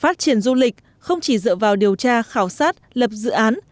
phát triển du lịch không chỉ dựa vào điều tra khảo sát lập dự án